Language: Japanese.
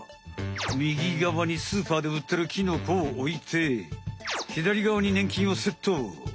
みぎがわにスーパーでうってるキノコをおいてひだりがわにねん菌をセット。